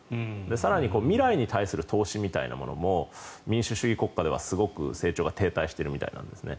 更に未来に対する投資みたいなものも民主主義国家ではすごく成長が停滞しているみたいなんですね。